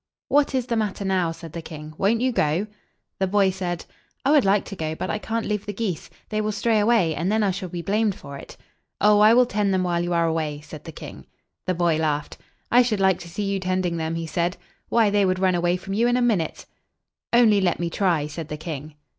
"What is the matter now?" said the king. "Won't you go?" The boy said, "I would like to go; but I can't leave the geese. They will stray away, and then I shall be blamed for it." [Illustration: "Crack the whip!"] "Oh, I will tend them while you are away," said the king. The boy laughed. "I should like to see you tending them!" he said. "Why, they would run away from you in a minute." "Only let me try," said the king.